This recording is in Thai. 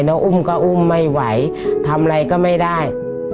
แล้วอุ้มก็อุ้มไม่ไหวทำอะไรก็ไม่ได้